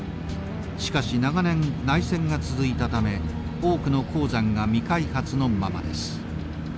しかし長年内戦が続いたため多くの鉱山が未開発のままです。